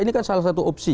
ini kan salah satu opsi